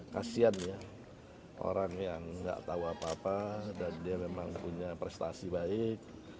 kasian ya orang yang nggak tahu apa apa dan dia memang punya prestasi baik